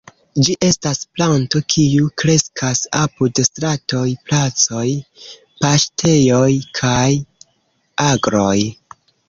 Ĝi estas planto, kiu kreskas apud stratoj, placoj, paŝtejoj kaj agroj.